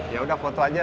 ya udah foto aja